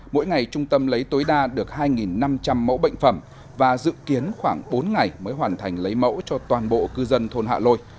mỗi ngày trung tâm lấy tối đa được hai năm trăm linh mẫu bệnh phẩm và dự kiến khoảng bốn ngày mới hoàn thành lấy mẫu cho toàn bộ cư dân thôn hạ lôi